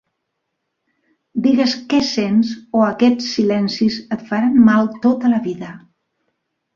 Digues què sents o aquests silencis et faran mal tota la vida.